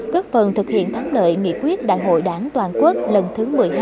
góp phần thực hiện thắng lợi nghị quyết đại hội đảng toàn quốc lần thứ một mươi hai